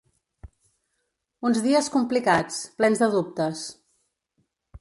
Uns dies complicats, plens de dubtes.